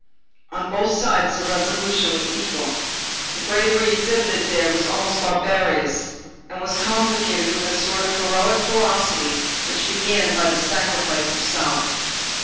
On both sides, the resolution was equal. The bravery exhibited there was almost barbarous and was complicated with a sort of heroic ferocity which began by the sacrifice of self.